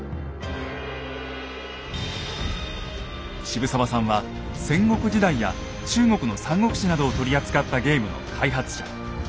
シブサワさんは戦国時代や中国の「三国志」などを取り扱ったゲームの開発者。